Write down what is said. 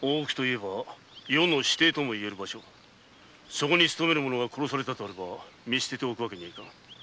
そこに勤める者が殺されたとあれば捨ておくことはできぬ。